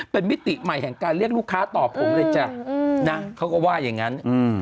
เป็นมิติใหม่แห่งการเรียกลูกค้าตอบผมเลยจ้ะนะเขาก็ว่าอย่างนั้น